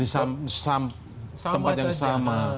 di tempat yang sama